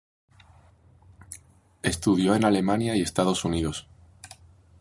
Estudió en Alemania y Estados Unidos.